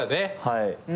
はい。